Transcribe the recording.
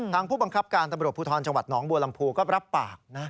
ผู้บังคับการตำรวจภูทรจังหวัดหนองบัวลำพูก็รับปากนะ